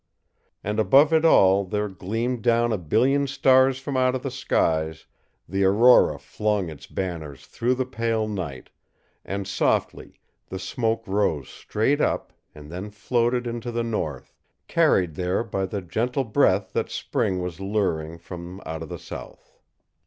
And above it all there gleamed down a billion stars from out of the skies, the aurora flung its banners through the pale night, and softly the smoke rose straight up and then floated into the North, carried there by the gentle breath that spring was luring from out of the South.